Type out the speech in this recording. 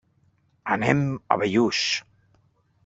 Anem a Bellús.